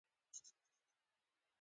بالاکرزی صاحب له حج څخه تازه راغلی و.